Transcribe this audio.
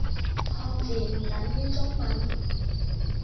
漢字唔等於中文